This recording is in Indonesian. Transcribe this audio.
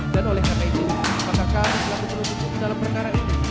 dan oleh kakak ini kakak kami selalu menuntut dalam perkara ini